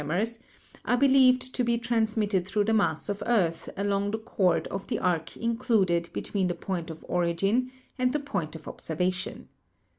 mors, are believed to be transmitted through the mass of earth along the chord of the arc included between the point of origin and the point of observation.